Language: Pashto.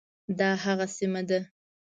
دا هغه سیمه ده.